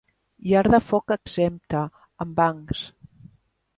Llar de foc exempta, amb bancs.